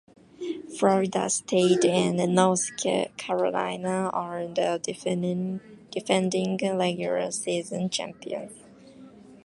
Florida State and North Carolina are the defending regular season champions.